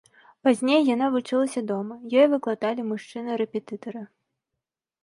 Пазней яна вучылася дома, ёй выкладалі мужчыны-рэпетытары.